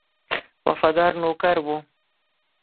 وفادار نوکر وو.